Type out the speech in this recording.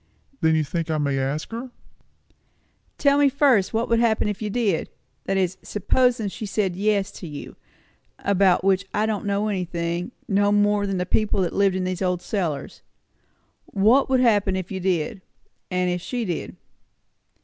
"Then you think I may ask her?" "Tell me first, what would happen if you did that is, supposin' she said yes to you, about which I don't know anything, no more'n the people that lived in these old cellars. What would happen if you did? and if she did?"